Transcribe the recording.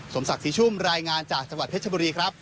สมศักดิ์ศรีชุ่มรายงานจากจังหวัดเพชรบุรีครับ